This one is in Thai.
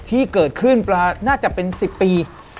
ที่เกิดขึ้นน่าจะเป็น๑๐ปี